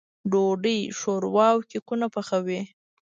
ډوډۍ، ښوروا او کيکونه پخوي.